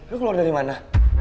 lo keluar dari mana